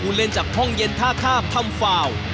เล่นจากห้องเย็นท่าข้ามทำฟาว